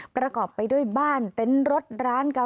ฟังเสียงลูกจ้างรัฐตรเนธค่ะ